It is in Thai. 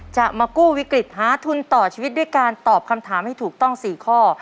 จะมากู้วิกฤตหาทุนต่อชีวิตด้วยการตอบคำถามให้ถูกต้อง๔ข้อ